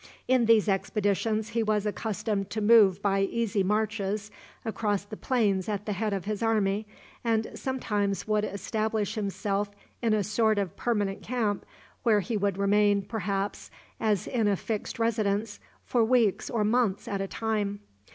In these expeditions he was accustomed to move by easy marches across the plains at the head of his army, and sometimes would establish himself in a sort of permanent camp, where he would remain, perhaps, as in a fixed residence, for weeks or months at a time.